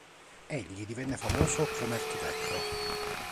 Egli divenne famoso come architetto.